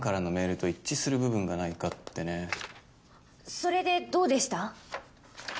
それでどうでした？